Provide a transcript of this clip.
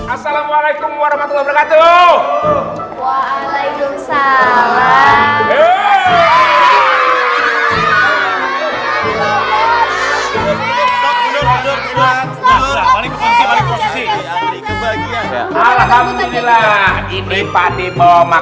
assalamualaikum warahmatullahi wabarakatuh